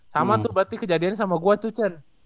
sama tuh berarti kejadiannya sama gue cucun